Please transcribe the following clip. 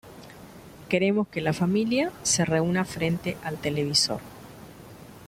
Queremos que la familia se reúna frente al televisor.